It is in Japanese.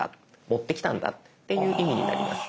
持ってきたんだっていう意味になります。